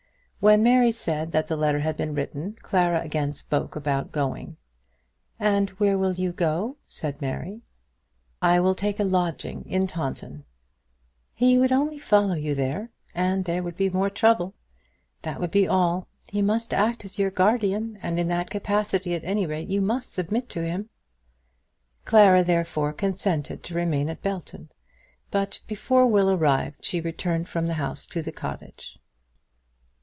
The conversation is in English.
When Mary said that the letter had been written, Clara again spoke about going. "And where will you go?" said Mary. "I will take a lodging in Taunton." "He would only follow you there, and there would be more trouble. That would be all. He must act as your guardian, and in that capacity, at any rate, you must submit to him." Clara, therefore, consented to remain at Belton; but, before Will arrived, she returned from the house to the cottage.